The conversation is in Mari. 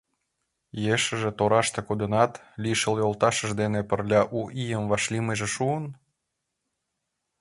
Ешыже тораште кодынат, лишыл йолташыж дене пырля У ийым вашлиймыже шуын?